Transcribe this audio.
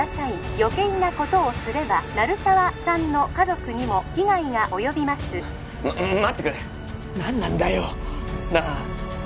☎余計なことをすれば☎鳴沢さんの家族にも危害が及びます待ってくれ何なんだよなあ？